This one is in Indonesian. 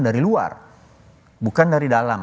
dari luar bukan dari dalam